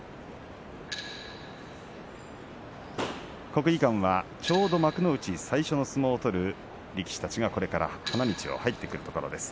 国技館はちょうど幕内最初の相撲を取る力士たちがこれから花道を入ってくるところです。